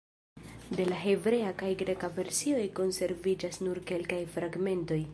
De la hebrea kaj greka versioj konserviĝas nur kelkaj fragmentoj.